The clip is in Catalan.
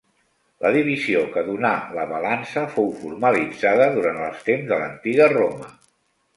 La divisió que donà la Balança fou formalitzada durant els temps de l'Antiga Roma.